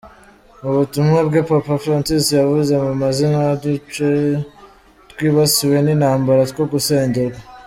Mu butumwa bwe, Papa Francis yavuze mu mazina uduce twibasiwe n’intambara two gusengerwa.